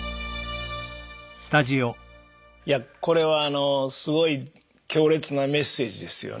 いやこれはあのすごい強烈なメッセージですよね。